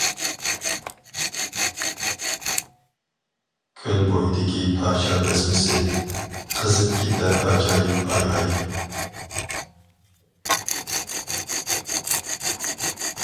كۆل بويىدىكى پاشا بەزمىسى، قىزىپ كېتەر ئاجايىپ ئايھاي!